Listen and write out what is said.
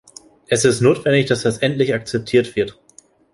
Es ist notwendig, dass das endlich akzeptiert wird.